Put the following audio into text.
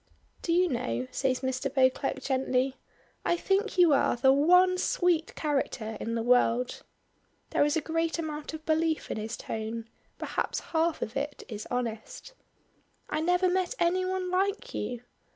"Do you know," says Mr. Beauclerk, gently, "I think you are the one sweet character in the world." There is a great amount of belief in his tone, perhaps half of it is honest. "I never met any one like you.